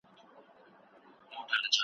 محصل د بدیع اصطلاحات یادوي.